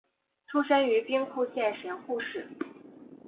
出身于兵库县神户市。